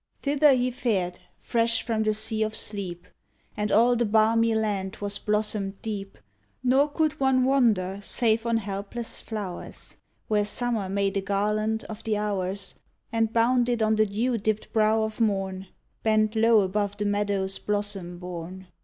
Thither he fared, fresh from the sea of sleep, And all the balmy land was blossomed deep. Nor could one wander save on helpless flow'rs, Where Summer made a garland of the hours And bound it on the dew dipt brow of Mom, Bent low above the meadow's blossom bourn.